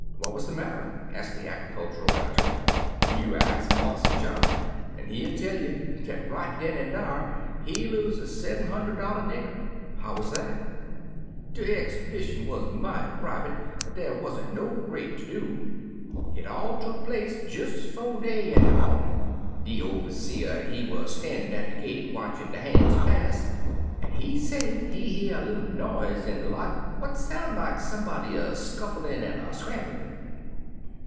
What was the matter?" asked the agricultural editor. "You ax Marse John, an' he'll tell yer dat right den an' dar he lose er sev'm hun derd dollar nigger." "How was that?" "De ex'bition wuz mighty private. Dar wa'n't no great to do. Hit all tuk place jes' 'fo' day in de mawnin'. De overseer, he 171 Uncle Remus Returns wuz stan'in' at de gate watchin' de ban's pass, an' he say he year er little noise in de lot, what soun' lak somebody er scufHin' an' er scramblin'.